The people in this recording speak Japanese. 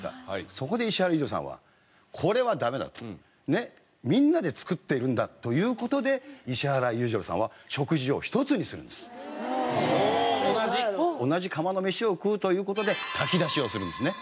そこで石原裕次郎さんは「これはダメだ！」と。「みんなで作っているんだ」という事で石原裕次郎さんは。同じ釜の飯を食うという事で炊き出しをするんですね。